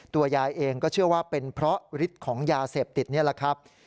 ยายเองก็เชื่อว่าเป็นเพราะฤทธิ์ของยาเสพติดนี่แหละครับ